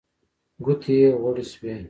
ګوتې يې غوړې شوې.